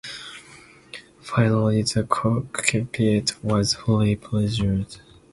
Finally, the cockpit was fully pressurized.